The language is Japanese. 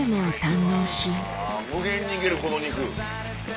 無限にいけるこの肉。